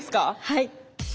はい。